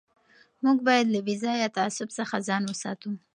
موږ باید له بې ځایه تعصب څخه ځان وساتو.